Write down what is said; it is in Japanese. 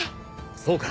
そうか。